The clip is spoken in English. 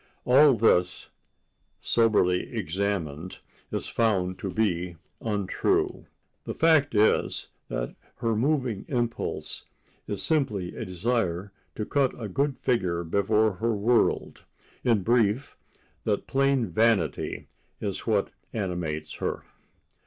All this, soberly examined, is found to be untrue. The fact is that her moving impulse is simply a desire to cut a good figure before her world—in brief, that plain vanity is what animates her.